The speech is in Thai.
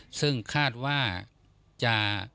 ซึ่งคาดว่าจะ